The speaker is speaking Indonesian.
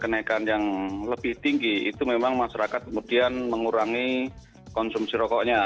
kenaikan yang lebih tinggi itu memang masyarakat kemudian mengurangi konsumsi rokoknya